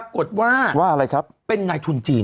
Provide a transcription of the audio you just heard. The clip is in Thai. ของฮาว่าเป็นนายทุนจีน